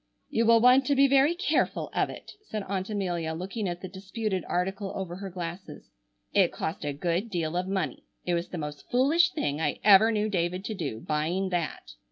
"You will want to be very careful of it," said Aunt Amelia, looking at the disputed article over her glasses, "it cost a good deal of money. It was the most foolish thing I ever knew David to do, buying that."